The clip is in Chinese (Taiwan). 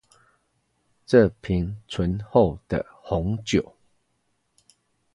這瓶醇厚的紅酒